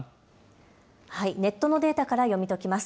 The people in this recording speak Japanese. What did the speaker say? ネットのデータから読み解きます。